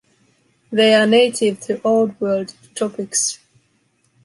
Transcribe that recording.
They are native to Old World tropics.